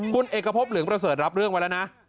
คุณเอกพบเหลืองประเสริฐรับเรื่องไว้แล้วนะ